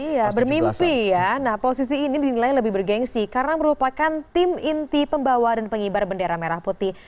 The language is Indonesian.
iya bermimpi ya nah posisi ini dinilai lebih bergensi karena merupakan tim inti pembawa dan pengibar bendera merah putih